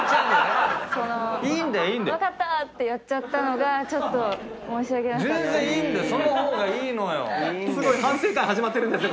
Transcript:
分かった！ってやっちゃったのがちょっと申し訳なかったです。